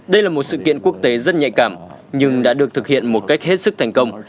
đây là một sự kiện quốc tế rất nhạy cảm nhưng đã được thực hiện một cách hết sức thành công